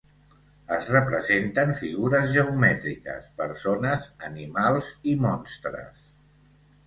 Es representen figures geomètriques, persones, animals i monstres.